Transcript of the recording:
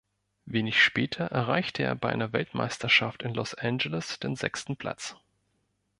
Wenig später erreichte er bei der Weltmeisterschaft in Los Angeles den sechsten Platz.